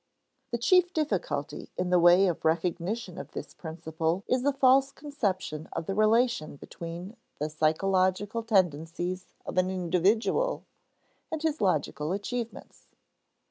The chief difficulty in the way of recognition of this principle is a false conception of the relation between the psychological tendencies of an individual and his logical achievements.